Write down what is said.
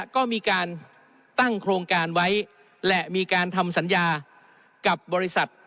ก็มีการตั้งโครงการไว้และมีการทำสัญญากับบริษัท